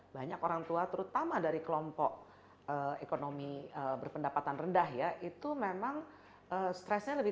banyak orang tua terutama dari kelompok ekonomi berpendapatan rendah ya itu memang stresnya lebih